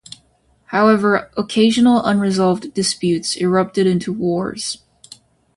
However, occasional unresolved disputes erupted into wars.